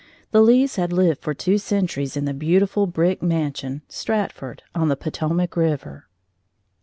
The Lees had lived for two centuries in the beautiful brick mansion, "Stratford," on the Potomac River.